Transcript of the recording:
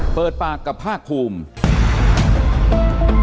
เปิดปากกับภาคภูมิ